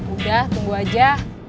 udah tunggu aja